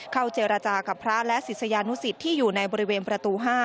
เจรจากับพระและศิษยานุสิตที่อยู่ในบริเวณประตู๕